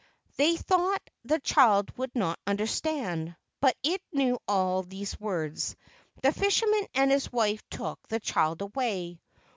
They thought the child would not understand, but it knew all these words. The fisherman and his wife took the child away.